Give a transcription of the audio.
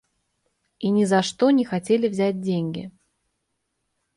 И ни за что не хотели взять деньги.